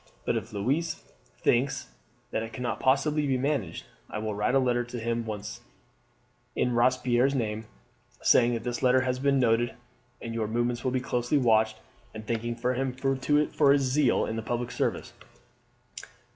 But if Louise thinks that it cannot possibly be managed, I will write a letter at once to him in Robespierre's name, saying that his letter has been noted and your movements will be closely watched, and thanking him for his zeal in the public service."